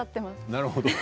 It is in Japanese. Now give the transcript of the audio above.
なるほど。